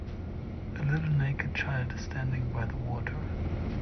A little naked child is standing by the water.